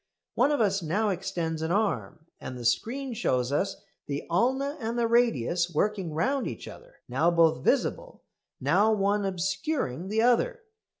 One of us now extends an arm and the screen shows us the ulna and the radius working round each other, now both visible, now one obscuring the other.